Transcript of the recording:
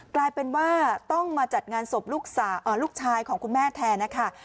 กลายเป็นว่าต้องมาจัดงานศพลูกชายของคุณแม่แทนนะคะ